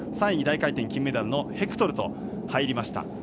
３位に大回転金メダルのヘクトルと入りました。